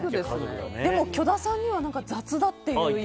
でも許田さんには雑だという。